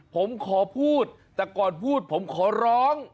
ผมขอพูดแต่ก่อนพูดผมขอร้อง